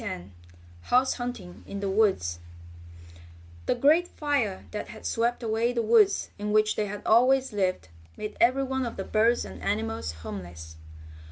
STORY X HOUSE HUNTING IN THE WOODS The great fire that had swept away the woods in which they had always lived made every one of the birds and animals homeless.